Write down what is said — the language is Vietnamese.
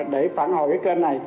để phản hồi kênh này